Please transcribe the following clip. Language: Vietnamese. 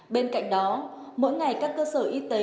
bên cạnh đó mỗi ngày các cơ sở y tế